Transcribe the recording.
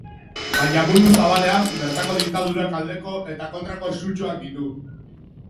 Baina mundu zabalean, bertako diktadurak aldeko eta kontrako sutsuak ditu.